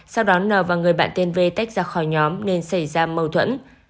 sau đó nợ và người bạn tên v tách ra khỏi nhóm nên xảy ra mâu thuẫn